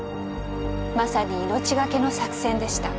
まさに命がけの作戦でした。